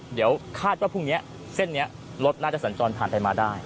เดี๋ยวคาดว่าพรุ่งนี้เส้นนี้รถน่าจะสัญจรผ่านไปมาได้